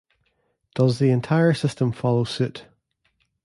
Does the entire system follow suit?